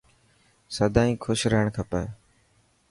سدائين خوش رهڻ کپي.